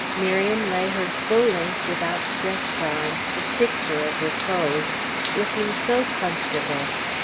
Miriam lay her full length with outstretched arms, the picture of repose, looking so comfortable!